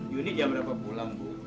yuni jam berapa pulang bu